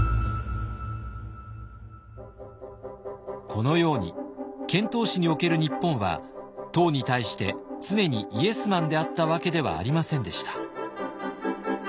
このように遣唐使における日本は唐に対して常にイエスマンであったわけではありませんでした。